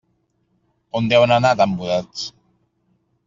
On deuen anar tan mudats.